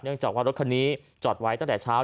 จากว่ารถคันนี้จอดไว้ตั้งแต่เช้า